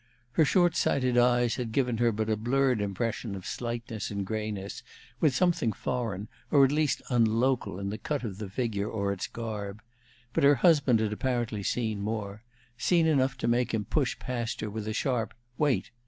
Her short sighted eyes had given her but a blurred impression of slightness and grayness, with something foreign, or at least unlocal, in the cut of the figure or its garb; but her husband had apparently seen more seen enough to make him push past her with a sharp "Wait!"